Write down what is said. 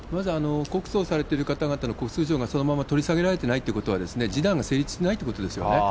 告訴をされている方々の告訴状がそれ、まだ取り下げられてないということは、示談が成立してないってことですよね。